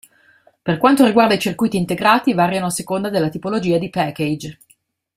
Per quanto riguarda i circuiti integrati, variano a seconda della tipologia di package.